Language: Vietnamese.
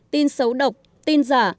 tin xấu độc tin giả